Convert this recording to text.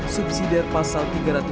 subsidi pasal tiga ratus tiga puluh